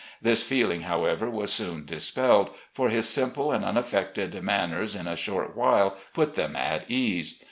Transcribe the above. This feeling, however, was soon dispelled, for his simple and unaffected manners in a short while put them at ease.